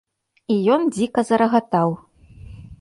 І ён дзіка зарагатаў.